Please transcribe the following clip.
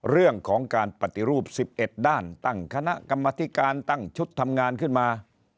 เรื่องของการปฏิรูป๑๑ด้านตั้งคณะกรรมธิการตั้งชุดทำงานขึ้นมา